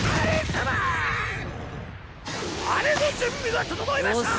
あれの準備が整いましたァ！